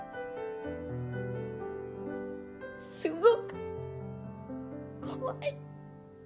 すごく怖い。